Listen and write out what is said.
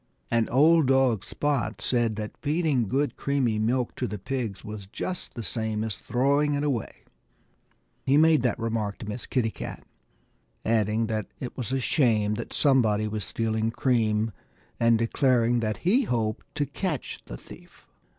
And old dog Spot said that feeding good creamy milk to the pigs was just the same as throwing it away. He made that remark to Miss Kitty Cat, adding that it was a shame that somebody was stealing cream and declaring that he hoped to catch the thief.